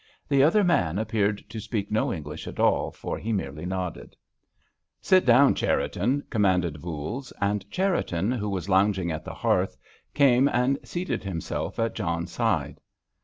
The other man appeared to speak no English at all, for he merely nodded. "Sit down, Cherriton," commanded Voules, and Cherriton, who was lounging at the hearth, came and seated himself at John's side.